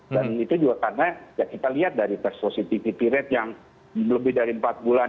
dan itu juga karena kita lihat dari test positivity rate yang lebih dari empat bulan